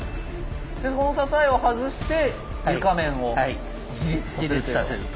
この支えを外して床面を自立させると。